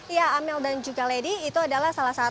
ya amel dan juga lady itu adalah salah satu